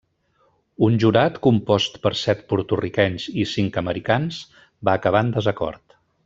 Un jurat compost per set porto-riquenys i cinc americans va acabar en desacord.